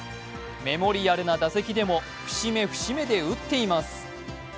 メモリアルな打席でも節目節目で打っています。